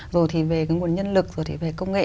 rồi thì về cái nguồn nhân lực rồi thì về công nghệ